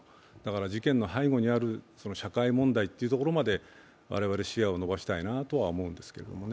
事件の背後にある社会問題まで我々、視野を伸ばしたいなとは思うんですけれどもね。